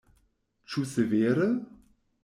Ĉu severe?